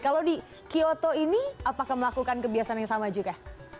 kalau di kyoto ini apakah melakukan kebiasaan yang sama juga